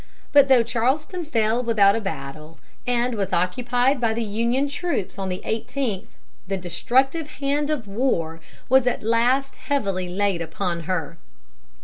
But though Charleston fell without a battle, and was occupied by the Union troops on the eighteenth, the destructive hand of war was at last heavily laid upon her.